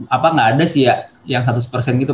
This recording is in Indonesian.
apa gaada sih ya yang seratus gitu